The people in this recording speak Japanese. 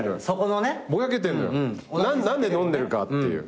何で飲んでるかっていう。